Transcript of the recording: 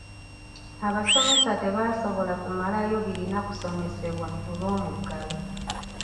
Abasomesa tebaasobola kumalayo birina kusomesebwa olw'omuggalo.